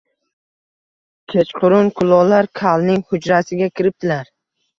Kechqurun kulollar kalning hujrasiga kiribdilar